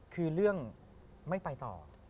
คือเรื่องไม่ไปต่อ